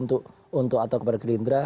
untuk atau kepada gelindra